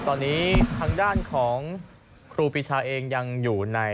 ตอนนี้ทางด้านของครูปีชาเองยังอยู่ใน